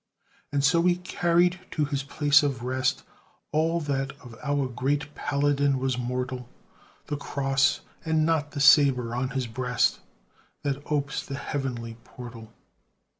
And so we carried to his place of rest All that of our great Paladin was mortal: The cross, and not the sabre, on his breast, That opes the heavenly portal.